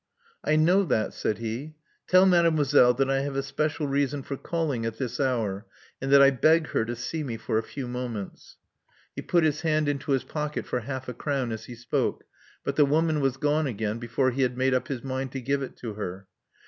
*'I know that," said he. Tell mademoiselle that I have a special reason for calling at this hour, and that I beg her to see me for a few moments. " He put his 201 202 Love Among the Artists hand into his pocket for half a crown as he spoke ; but the woman was gone again before he had made up his mind to give it to her.